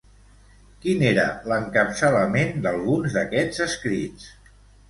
Quin era l'encapçalament d'alguns d'aquests escrits?